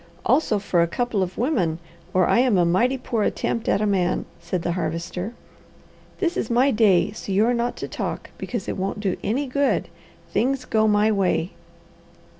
"Also for a couple of women or I am a mighty poor attempt at a man," said the Harvester. "This is my day, so you are not to talk, because it won't do any good. Things go my way."